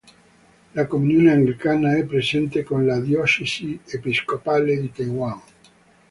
La Comunione anglicana è presente con la Diocesi episcopale di Taiwan.